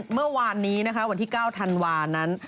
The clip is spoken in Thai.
เมื่อวานนี้นะคะวันที่๙ธันวานั้น